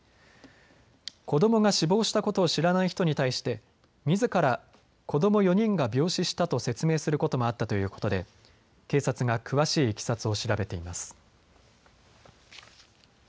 子どもが死亡したことを知らない人に対してみずから子ども４人が病死したと説明することもあったということで警察が詳しいいきさつを調べています。